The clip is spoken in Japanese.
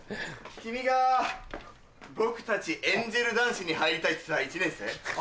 君が僕たちエンゼル男子に入りたいって言ってた１年生？